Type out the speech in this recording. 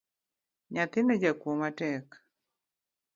Nyathino jakuo matek.